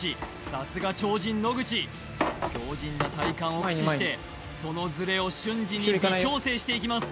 さすが超人野口強靱な体幹を駆使してそのずれを瞬時に微調整していきます